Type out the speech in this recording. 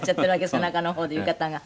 背中の方で浴衣が。